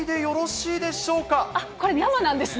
これ、生なんですね。